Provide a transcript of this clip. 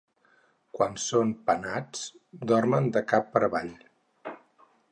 Quan són penats dormen de cap per avall.